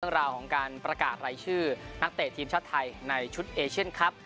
ราวของการประกาศรายชื่อนักเตะทีมชาติไทยในชุดเอเชียนครับ